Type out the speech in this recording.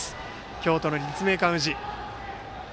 京都の立命館宇治です。